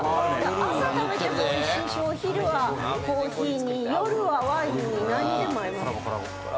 朝食べても美味しいしお昼はコーヒーに夜はワインに何にでも合います。